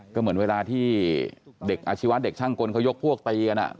ก็เหมือนเวลาที่เด็กอาชีวะเด็กช่างกลเขายกพวกตีกัน